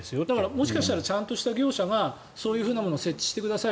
もしかしたらちゃんとした業者がそういうものを設置してください